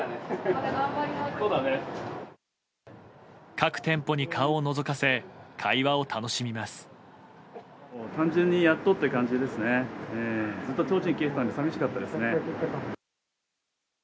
各店舗に顔をのぞかせ会話を楽しみます。